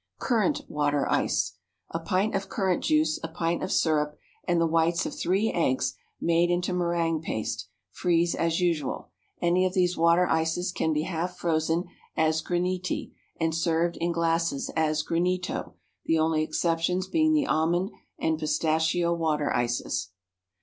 Currant Water Ice. A pint of currant juice, a pint of syrup, and the whites of three eggs made into méringue paste. Freeze as usual. Any of these water ices can be half frozen as graniti, and served in glasses as granito, the only exceptions being the almond and pistachio water ices.